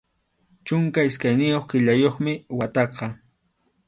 Chunka iskayniyuq killayuqmi wataqa.